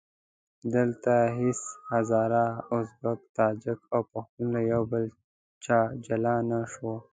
دلته هېڅ هزاره، ازبک، تاجک او پښتون له بل چا جلا نه شو.